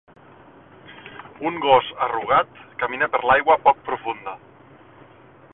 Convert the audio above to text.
Un gos arrugat camina per l'aigua poc profunda.